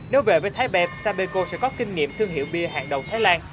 nếu về với thái đẹp sapeco sẽ có kinh nghiệm thương hiệu bia hàng đầu thái lan